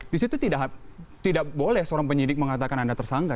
di situ tidak boleh seorang penyidik mengatakan anda tersangka